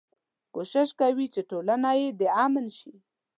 کوشش کوي چې ټولنه يې د امن شي.